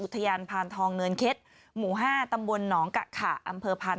อุทยานพาลทองเนินเค็ดหมู่ห้าตำวนหนองกะขาอำเพอร์พาล